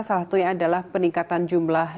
salah satu yang adalah peningkatan jumlah